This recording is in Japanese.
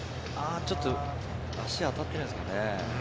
ちょっと足が当たっているんですかね。